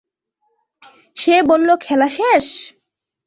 সে বলল খেলা শেষ!